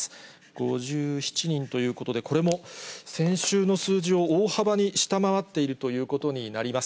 ５７人ということで、これも先週の数字を大幅に下回っているということになります。